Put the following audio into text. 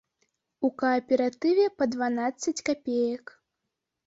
У кааператыве па дванаццаць капеек.